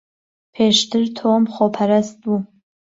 پێشتر تۆم خۆپەرست بوو.